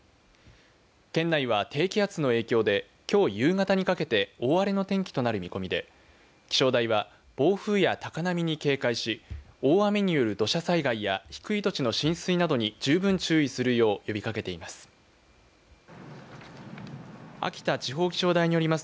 県内は低気圧の影響できょう夕方にかけて大荒れの天気となる見込みで気象台は、暴風や高波に警戒し大雨による土砂災害や低い土地の浸水などに十分注意するよう呼びかけています。